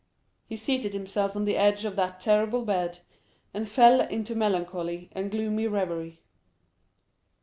He seated himself on the edge of that terrible bed, and fell into melancholy and gloomy reverie.